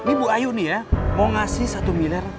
ini bu ayu nih ya mau ngasih satu miliar